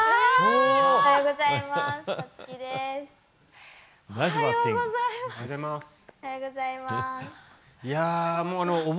おはようございます。